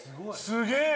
すげえ！